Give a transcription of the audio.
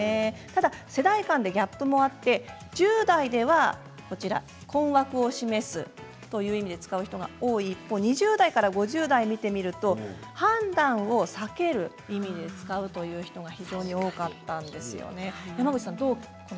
ただ世代間でギャップもあって１０代では困惑を示すという意味で使う人が多い一方で２０代から５０代で見てみると判断を避けるという意味で使う人が多かったんです。